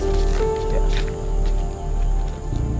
tidak ada yang tau